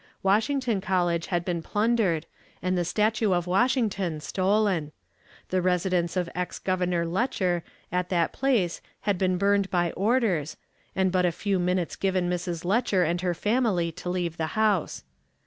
Washington College had been plundered, and the statue of Washington stolen. The residence of ex Governor Letcher at that place had been burned by orders, and but a few minutes given Mrs. Letcher and her family to leave the house.